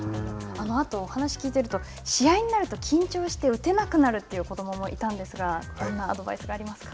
あとお話しを聞いていると試合になると、緊張して打てなくなるという子どももいたんですが、どんなアドバイスがありますか。